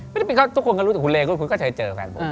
ไม่ได้ปิดเพราะทุกคนก็รู้แต่คุณเลคุณก็จะเจอแฟนผม